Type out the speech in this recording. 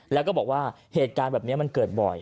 แล้วก็บอกว่าเหตุการณ์แบบนี้มันเกิดบ่อย